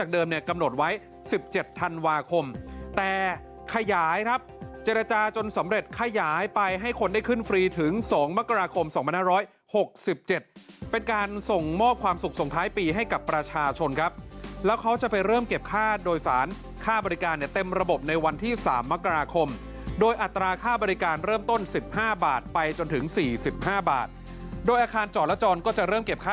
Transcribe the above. กำหนดไว้๑๗ธันวาคมแต่ขยายครับเจรจาจนสำเร็จขยายไปให้คนได้ขึ้นฟรีถึง๒มกราคม๒๕๖๗เป็นการส่งมอบความสุขส่งท้ายปีให้กับประชาชนครับแล้วเขาจะไปเริ่มเก็บค่าโดยสารค่าบริการเนี่ยเต็มระบบในวันที่๓มกราคมโดยอัตราค่าบริการเริ่มต้น๑๕บาทไปจนถึง๔๕บาทโดยอาคารจอดและจรก็จะเริ่มเก็บค่า